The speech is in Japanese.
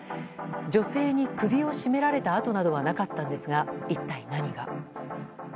女性に首を絞められたなどの痕はなかったんですが一体何が。